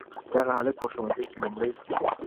دغه هلک په ښوونځي کي لومړی سو.